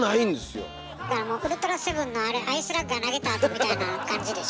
ウルトラセブンのあれアイスラッガー投げたあとみたいな感じでしょ。